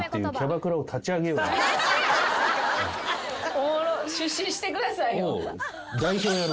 おもろ出資してくださいよ。